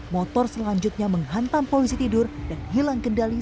motor selanjutnya menghantam polisi tidur dan hilang kendali